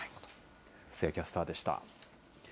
布施谷キャスターでした。